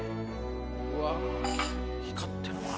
うわ光ってるな。